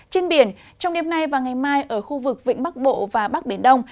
trên biển trong đêm nay và ngày mai ở khu vực vĩnh bắc bộ và bắc biển đông